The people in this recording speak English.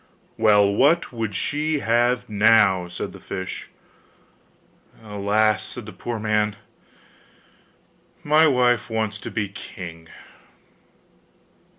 'Well, what would she have now?' said the fish. 'Alas!' said the poor man, 'my wife wants to be king.